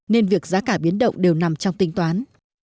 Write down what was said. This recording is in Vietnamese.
nên việc giá cả biến động đều nằm trong tinh toán